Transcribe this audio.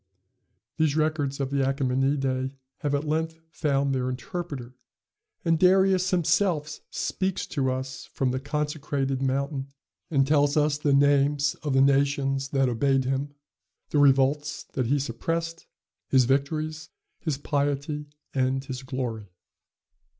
These records of the Achæmenidæ have at length found their interpreter; and Darius himself speaks to us from the consecrated mountain, and tells us the names of the nations that obeyed him, the revolts that he suppressed, his victories, his piety, and his glory.